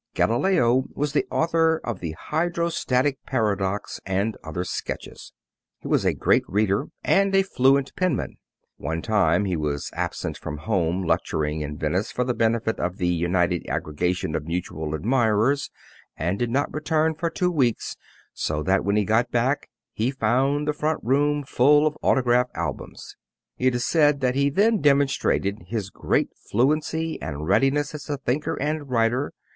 Galileo was the author of the hydrostatic paradox and other sketches. He was a great reader and a fluent penman. One time he was absent from home, lecturing in Venice for the benefit of the United Aggregation of Mutual Admirers, and did not return for two weeks, so that when he got back he found the front room full of autograph albums. It is said that he then demonstrated his great fluency and readiness as a thinker and writer.